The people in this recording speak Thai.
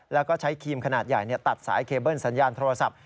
แล้วก็ใช้ครีมขนาดใหญ่ตัดสายเคเบิ้ลสัญญาณโทรศัพท์